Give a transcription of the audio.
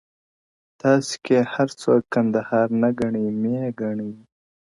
تاسو كه يې هر څو كندهار نــــه گـــڼــــئ مـــې گـــڼــــــئ’